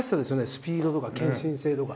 スピードとか献身性とか。